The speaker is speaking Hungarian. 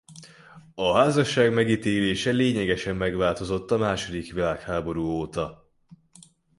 A házasság megítélése lényegesen megváltozott a második világháború óta.